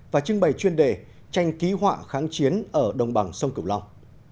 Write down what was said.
và trưng bày chuyên đề tranh ký họa kháng chiến ở đồng bằng sông cửu long